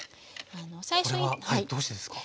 これはどうしてですか？